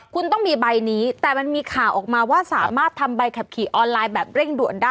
คุณต้องมีใบนี้แต่มันมีข่าวออกมาว่าสามารถทำใบขับขี่ออนไลน์แบบเร่งด่วนได้